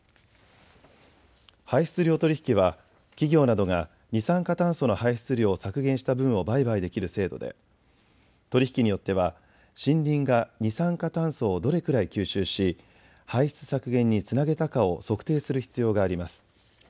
排出量取引は企業などが二酸化炭素の排出量を削減した分を売買できる制度で取り引きによっては森林が二酸化炭素をどれくらい吸収し排出削減につなげたかを測定する必要があります。